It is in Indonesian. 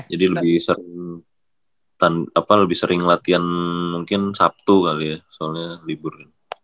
jadi lebih sering latihan mungkin sabtu kali ya soalnya libur